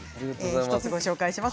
１つご紹介します。